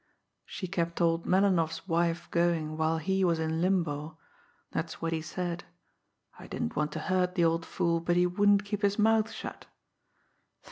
She kept old Melinoff's wife going while he was in limbo that's what he said. I didn't want to hurt the old fool, but he wouldn't keep his mouth shut.